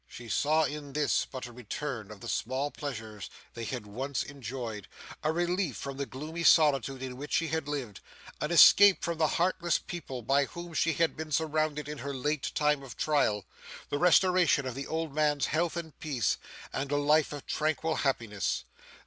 She saw in this, but a return of the simple pleasures they had once enjoyed, a relief from the gloomy solitude in which she had lived, an escape from the heartless people by whom she had been surrounded in her late time of trial, the restoration of the old man's health and peace, and a life of tranquil happiness.